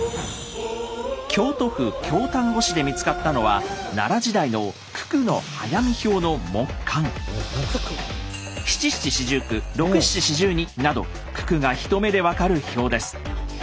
京都府京丹後市で見つかったのは奈良時代の九九の早見表の木簡。など九九が一目で分かる表です。